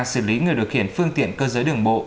xử lý người điều khiển phương tiện cơ giới đường bộ